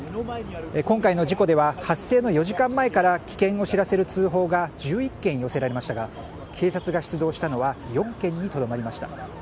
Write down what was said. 今回の事故では発生の４時間前から危険を知らせる通報が１１件寄せられましたが警察が出動したのは４件にとどまりました。